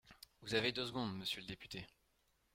Vous avez deux secondes, monsieur le député.